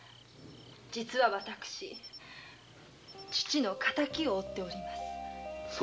実は私父の敵を追っております。